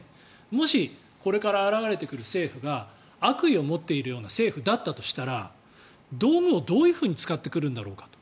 もしこれから現れてくる政府が悪意を持っているような政府だったとしたら道具をどう使ってくるんだろうかと。